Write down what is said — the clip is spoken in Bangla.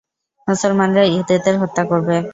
মুসলমানরা ইহুদীদের হত্যা করবে।